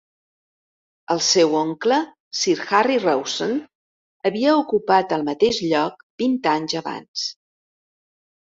El seu oncle, Sir Harry Rawson, havia ocupat el mateix lloc vint anys abans.